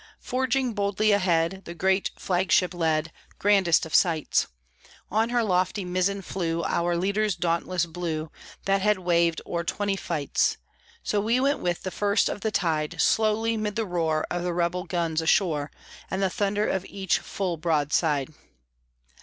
Forging boldly ahead, The great Flag Ship led, Grandest of sights! On her lofty mizzen flew Our leader's dauntless Blue, That had waved o'er twenty fights. So we went with the first of the tide, Slowly, 'mid the roar Of the rebel guns ashore And the thunder of each full broadside.